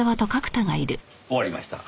終わりました。